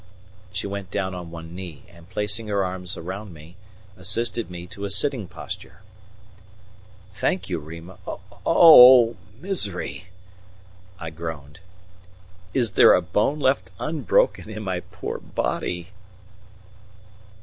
She went down on one knee and, placing her arms round me, assisted me to a sitting posture. "Thank you, Rima oh, misery!" I groaned. "Is there a bone left unbroken in my poor body?"